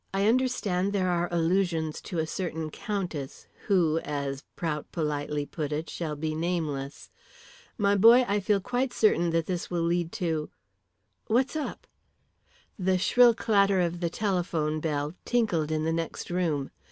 I understand there are allusions to a certain Countess who, as Prout politely put it, shall be nameless. My boy, I feel quite certain that this will lead to what's up?" The shrill clatter of the telephone bell tinkled in the next room.